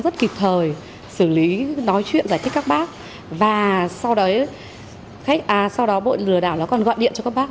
rất kịp thời xử lý nói chuyện giải thích các bác và sau đấy sau đó bộ lừa đảo nó còn gọi điện cho các bác